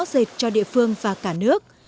nguồn lợi kinh tế rõ rệt cho địa phương và cả nước